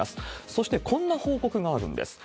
そしてこんな報告があるんです。